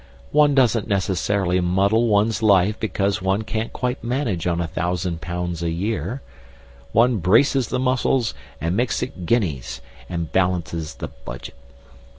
One doesn't necessarily muddle one's life because one can't quite manage on a thousand pounds a year; one braces the muscles and makes it guineas, and balances the budget.